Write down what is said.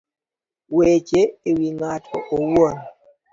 Weche e wi ng'ato owuon